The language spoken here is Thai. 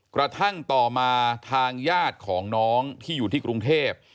กระทั่งต่อมาทางญาติของน้องที่อยู่ที่กรุงเทพ